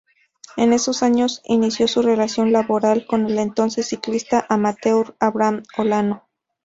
En esos años inició su relación laboral con el entonces ciclista amateur Abraham Olano.